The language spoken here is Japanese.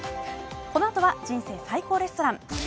このあとは「人生最高レストラン」。